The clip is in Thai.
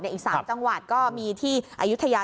อีก๓จังหวัดก็มีที่อายุทยา